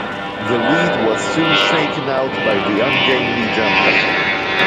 The wheat was soon shaken out by the ungainly jumping.